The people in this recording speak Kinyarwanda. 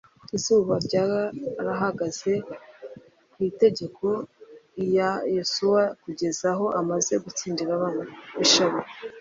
izuba ryarahagaze ku itegeko iya Yosuwa kugeza aho amaze gutsindira ababisha be.